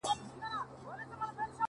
• صفت زما مه كوه مړ به مي كړې ـ